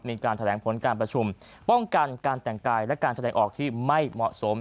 มีการแถลงผลการประชุมป้องกันการแต่งกายและการแสดงออกที่ไม่เหมาะสม